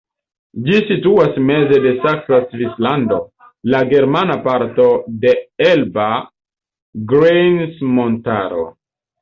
Ĝi situas meze de Saksa Svislando, la germana parto de Elba Grejsmontaro.